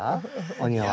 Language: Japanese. お庭。